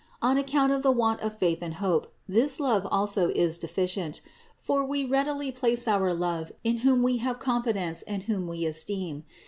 On account of the want of faith and hope, this love also is deficient; for we readily place our love in whom we have confidence and whom we esteem.